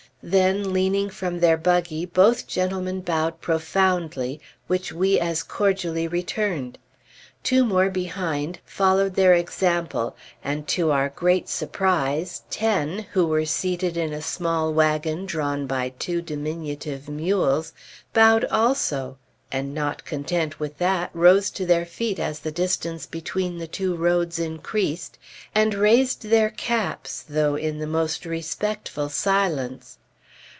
Then, leaning from their buggy, both gentlemen bowed profoundly, which we as cordially returned. Two more behind followed their example, and to our great surprise, ten, who were seated in a small wagon drawn by two diminutive mules, bowed also, and, not content with that, rose to their feet as the distance between the two roads increased, and raised their caps, though in the most respectful silence.